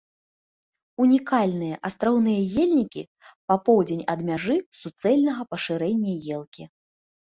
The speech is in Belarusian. Унікальныя астраўныя ельнікі па поўдзень ад мяжы суцэльнага пашырэння елкі.